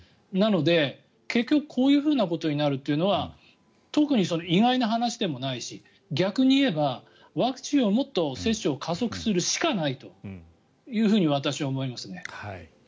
なので、結局こういうことになるというのは特に意外な話でもないし逆に言えばワクチンをもっと接種を加速するしかないというふうに私は思いますね。